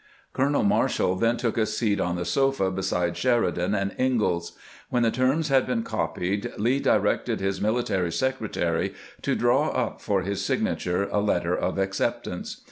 Colonel Marshall then took a seat on the sofa beside Sheridan and Ingalls. When the terms had been copied, Lee directed his mihtary secretary to draw up for his signature a letter of acceptance.